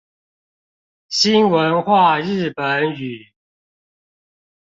新文化日本語